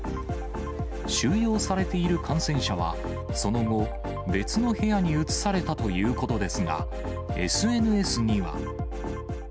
収容されている感染者は、その後、別の部屋に移されたということですが、ＳＮＳには。